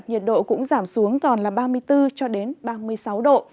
nhiệt độ cũng giảm xuống còn là ba mươi bốn ba mươi sáu độ